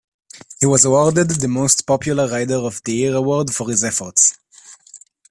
He was awarded the Most Popular Rider of the Year Award for his efforts.